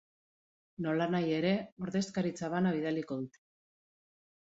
Nolanahi ere, ordezkaritza bana bidaliko dute.